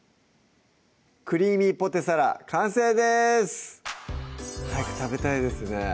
「クリーミーポテサラ」完成です早く食べたいですね